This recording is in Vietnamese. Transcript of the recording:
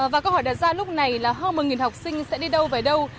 và câu hỏi đặt ra lúc này là hơn một học sinh sẽ đi đâu về đâu